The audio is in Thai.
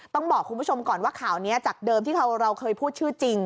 ต้องบอกคุณผู้ชมก่อนว่าข่าวนี้จากเดิมที่เราเคยพูดชื่อจริง